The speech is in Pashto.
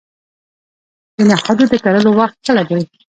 د نخودو د کرلو وخت کله دی؟